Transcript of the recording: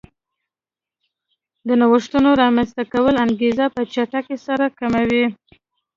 د نوښتونو رامنځته کولو انګېزه په چټکۍ سره کموي